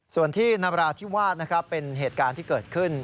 ส่วนที่นราธิวาสนะครับเป็นเหตุการณ์ที่เกิดขึ้น